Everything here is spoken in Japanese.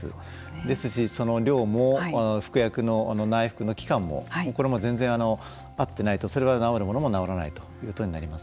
ですし、その量も服薬の、内服の期間もこれも全然合ってないとそれは治るものも治らないということになります。